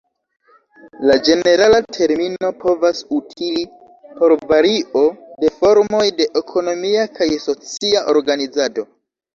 La ĝenerala termino povas utili por vario de formoj de ekonomia kaj socia organizado.